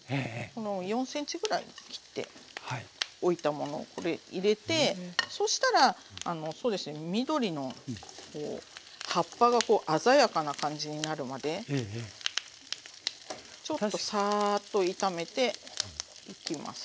この４ｃｍくらい切っておいたものこれ入れてそしたらそうですね緑の葉っぱが鮮やかな感じになるまでちょっとサーッと炒めていきますね。